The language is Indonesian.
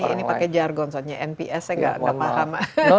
ini pakai jargon soalnya nps saya nggak paham